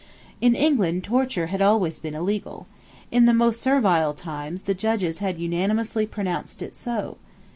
In England torture had always been illegal. In the most servile times the judges had unanimously pronounced it so.